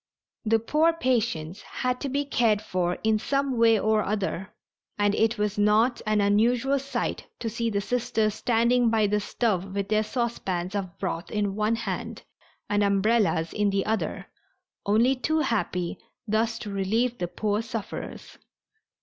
The poor patients had to be cared for in some way or other, and it was not an unusual sight to see the Sisters standing by the stove with their saucepans of broth in one hand and umbrellas in the other, only too happy thus to relieve the poor sufferers.